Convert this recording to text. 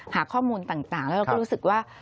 หาข้อมูลต่างแล้วเราก็รู้สึกว่า